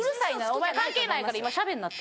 お前関係ないから今しゃべんなって！